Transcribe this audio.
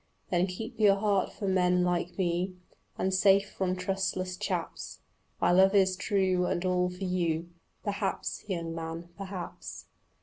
Then keep your heart for men like me And safe from trustless chaps. My love is true and all for you. "Perhaps, young man, perhaps."